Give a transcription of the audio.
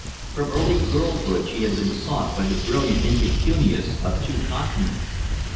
From early girlhood she had been sought by the brilliant impecunious of two continents.